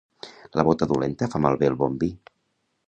La bota dolenta fa malbé el bon vi.